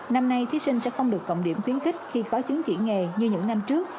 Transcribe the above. năm nay thí sinh sẽ không được cộng điểm khuyến khích khi có chứng chỉ nghề như những năm trước